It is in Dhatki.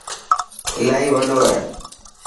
الاهي وڏو هي.